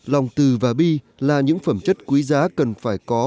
lòng từ và bi là những phẩm chất quý giá cần phải có